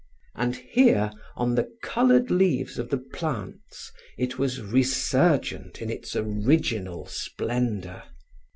And here on the colored leaves of the plants it was resurgent in its original splendor.